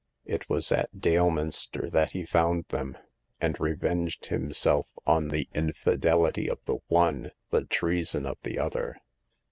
It was at Daleminster that he found them, and revenged himself on the infidelity of the one, the treason of the other.